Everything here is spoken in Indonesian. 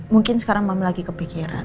mungkin sekarang mama lagi kepikiran